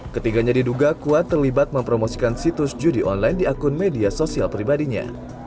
ketiganya diduga kuat terlibat mempromosikan situs judi online di akun media sosial pribadinya